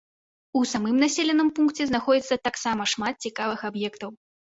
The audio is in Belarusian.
У самым населеным пункце знаходзіцца таксама шмат цікавых аб'ектаў.